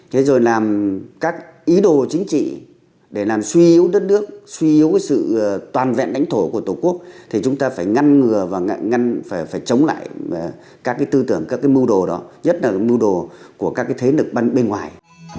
thế rồi làm các ý đồ chính trị để làm suy yếu đất nước suy yếu sự toàn vẹn lãnh thổ của tổ quốc thì chúng ta phải ngăn ngừa và ngăn phải chống lại các cái tư tưởng các cái mưu đồ đó nhất là mưu đồ của các cái thế lực ban bên ngoài